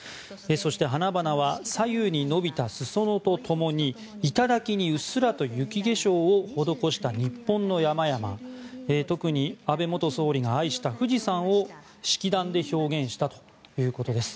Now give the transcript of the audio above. そして花々は左右に伸びた裾野とともに頂にうっすらと雪化粧を施した日本の山々特に安倍元総理が愛した富士山を式壇で表現したということです。